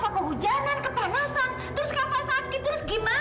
kalau kava kehujanan kepanasan terus kava sakit terus gimana